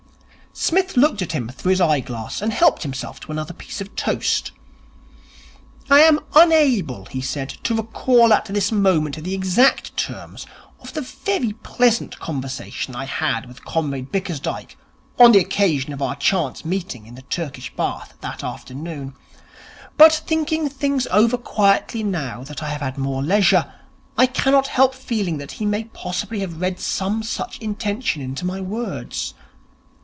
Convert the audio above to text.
Psmith looked at him through his eye glass, and helped himself to another piece of toast. 'I am unable,' he said, 'to recall at this moment the exact terms of the very pleasant conversation I had with Comrade Bickersdyke on the occasion of our chance meeting in the Turkish Bath that afternoon; but, thinking things over quietly now that I have more leisure, I cannot help feeling that he may possibly have read some such intention into my words.